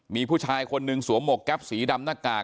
มีผู้ชายคนหนึ่งสวมหมวกแก๊ปสีดำหน้ากาก